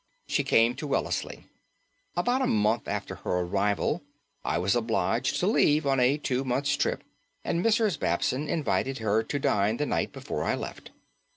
She came to Wellesley. About a month after her arrival I was obliged to leave on a two months' trip and Mrs. Babson invited her up to dine the night before I left.